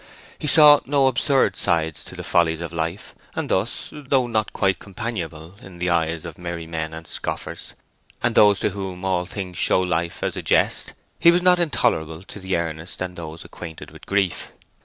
He saw no absurd sides to the follies of life, and thus, though not quite companionable in the eyes of merry men and scoffers, and those to whom all things show life as a jest, he was not intolerable to the earnest and those acquainted with grief.